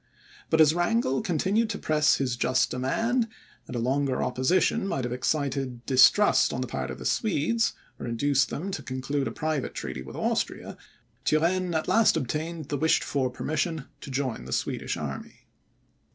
But as Wrangel continued to press his just demand, and a longer opposition might have excited distrust on the part of the Swedes, or induce them to conclude a private treaty with Austria, Turenne at last obtained the wished for permission to join the Swedish army.